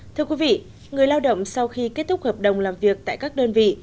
thưa quý vị người lao động sau khi kết thúc hợp đồng làm việc tại các đơn vị